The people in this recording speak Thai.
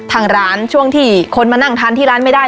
ทางร้านช่วงที่คนมานั่งทานที่ร้านไม่ได้